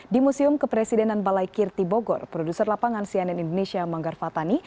di museum kepresidenan balai kirti bogor produser lapangan cnn indonesia manggar fatani